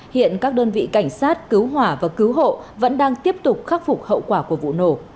hiện các đơn vị cảnh sát cứu hỏa và cứu hộ vẫn đang tiếp tục khắc phục hậu quả của vụ nổ